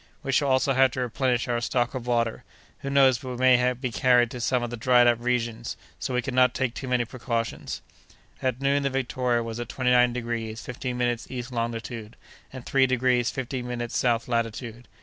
"We shall also have to replenish our stock of water. Who knows but we may be carried to some of the dried up regions? So we cannot take too many precautions." At noon the Victoria was at twenty nine degrees fifteen minutes east longitude, and three degrees fifteen minutes south latitude.